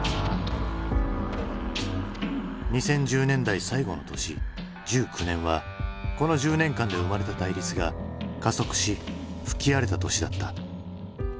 ２０１０年代最後の年１９年はこの１０年間で生まれた対立が加速し吹き荒れた年だった。